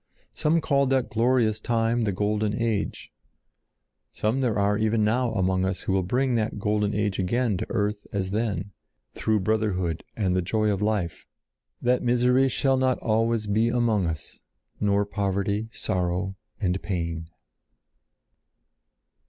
Some called that glorious time the Golden Age; some there are even now among us who will to bring that golden age again to earth as then, through brotherhood and the joy of life, that misery shall not always be among us, nor poverty, sorrow, and pain.